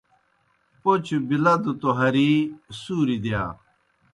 پوْچوْ بِلَدوْ توْ ہری سُوریْ دِیا۔